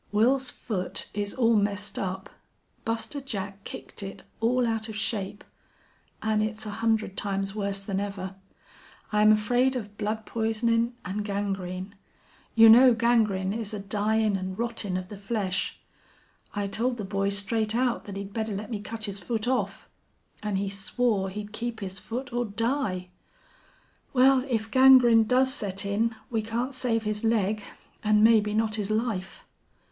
"Wils's foot is all messed up. Buster Jack kicked it all out of shape. An' it's a hundred times worse than ever. I'm afraid of blood poisonin' an' gangrene. You know gangrene is a dyin' an' rottin' of the flesh.... I told the boy straight out that he'd better let me cut his foot off. An' he swore he'd keep his foot or die! Well, if gangrene does set in we can't save his leg, an' maybe not his life."